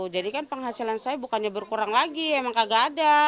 jadi kan penghasilan saya bukannya berkurang lagi emang kagak ada